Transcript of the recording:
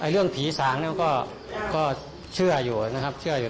เรื่องผีสางก็เชื่ออยู่นะครับเชื่ออยู่